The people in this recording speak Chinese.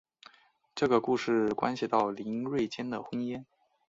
这个故事关系到林瑞间的婚姻。